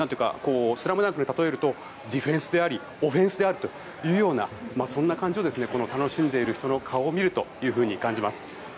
「ＳＬＡＭＤＵＮＫ」で例えるとディフェンスでありオフェンスであるというようなそんな感じを楽しんでいる人の顔を見ると感じます。